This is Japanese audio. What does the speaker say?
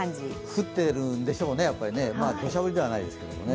降っているんでしょうね、どしゃ降りではないですけどね。